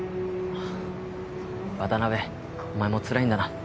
渡辺お前もつらいんだな